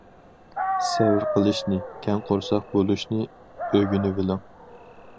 سەۋر قىلىشنى، كەڭ قورساق بولۇشنى ئۆگىنىۋېلىڭ.